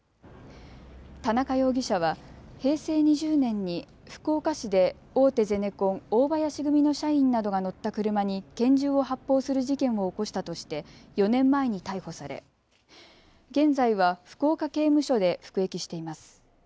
田中容疑者は平成２０年に福岡市で大手ゼネコン、大林組の社員などが乗った車に拳銃を発砲する事件を起こしたとして４年前に逮捕され現在は福岡刑務所で服役しています。